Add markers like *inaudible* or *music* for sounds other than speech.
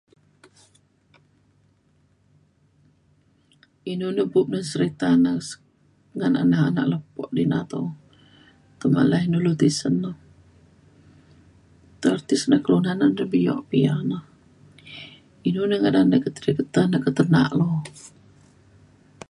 inu nu bup na serita na ngan anak anak lepo di na to tepalai na lu tisen nu *unintelligible* kelunan bio pe ia' na inu na ngadan *unintelligible* sri keta ketenak lu